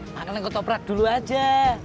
makan yang ketoprak dulu aja